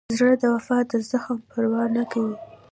زړه د وفا د زخم پروا نه کوي.